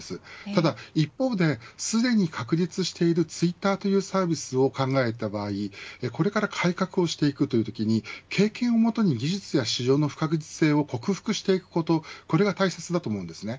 ただ一方で、すでに確立しているツイッターというサービスを考えた場合これから改革をしていくというときに経験をもとに技術や市場の不確実性を克服していくことこれが大切だと思います。